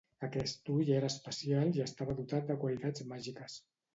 Aquest ull era especial i estava dotat de qualitats màgiques.